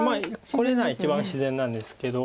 これなら一番自然なんですけど。